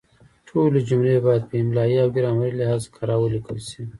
ټولې جملې باید په املایي او ګرامري لحاظ کره ولیکل شي.